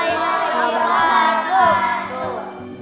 jadi lomba cerdas cermat kita kali ini